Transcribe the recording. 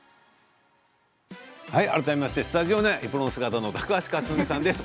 改めまして、スタジオにはエプロン姿の高橋克典さんです。